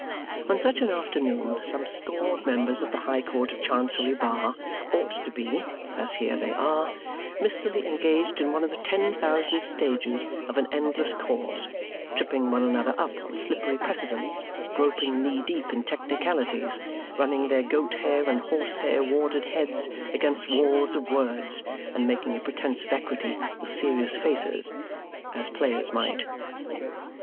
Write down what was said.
On such an afternoon some score of members of the High Court of Chancery bar ought to be as here they are mistily engaged in one of the ten thousand stages of an endless cause, tripping one another up on slippery precedents, groping knee deep in technicalities, running their goat hair and horsehair warded heads against walls of words and making a pretence of equity with serious faces, as players might.